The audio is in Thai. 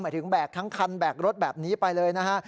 หมายถึงแบกทั้งคันแบกรถแบบนี้ไปเลยนะฮะ